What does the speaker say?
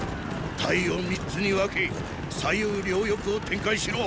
隊を三つに分け左右両翼を展開しろ！